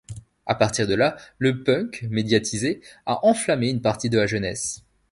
À partir de là le punk, médiatisé, a enflammé une partie de la jeunesse.